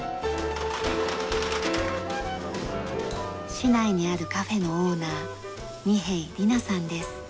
市内にあるカフェのオーナー二瓶里菜さんです。